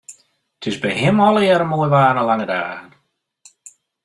It is by him allegearre moai waar en lange dagen.